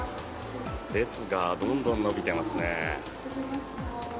列がどんどん延びていますね。